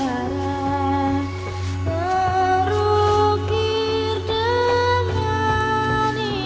sekarang kau benar benar beautif